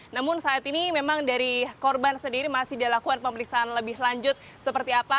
namun saat ini memang dari korban sendiri masih dilakukan pemeriksaan lebih lanjut seperti apa